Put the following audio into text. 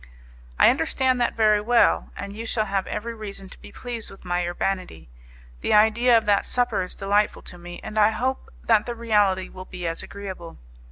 "I understand that very well, and you shall have every reason to be pleased with my urbanity. The idea of that supper is delightful to me, and I hope that the reality will be as agreeable.